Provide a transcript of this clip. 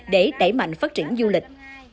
để đẩy mạnh phát triển du lịch